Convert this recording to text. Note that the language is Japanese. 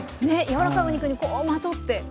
ね柔らかいお肉にこうまとって。